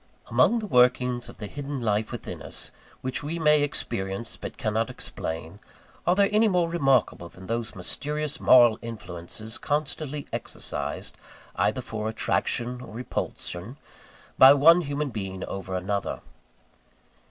Among the workings of the hidden life within us which we may experience but cannot explain, are there any more remarkable than those mysterious moral influences constantly exercised, either for attraction or repulsion, by one human being over another?